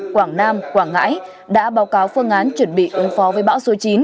quảng nam quảng ngãi đã báo cáo phương án chuẩn bị ứng phó với bão số chín